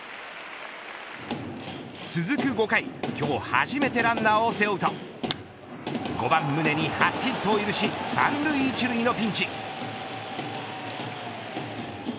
続く５回、今日初めてランナーを背負うと５番、宗に初ヒットを許し３塁１塁のピンチ。